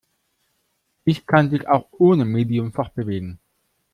Licht kann sich auch ohne Medium fortbewegen.